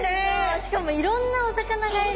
しかもいろんなお魚がいる！